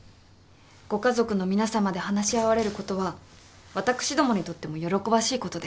ご家族の皆様で話し合われることは私どもにとっても喜ばしいことです。